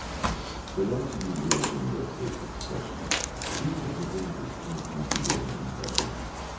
But I should do little to investigate this question; these are presented as quite incidental impressions.